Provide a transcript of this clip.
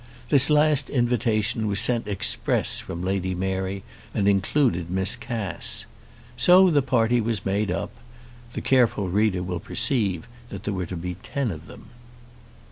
This last invitation was sent express from Lady Mary, and included Miss Cass. So the party was made up. The careful reader will perceive that there were to be ten of them.